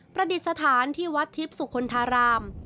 ประดิษฐานที่วัดทิพย์สุคลธาราม